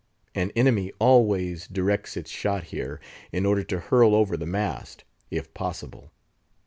An enemy always directs its shot here, in order to hurl over the mast, if possible.